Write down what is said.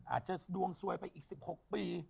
อาจจะดวงสวยไปอีก๑๖ปี